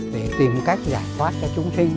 để tìm cách giải thoát cho chúng sinh